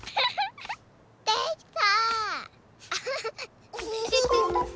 できた！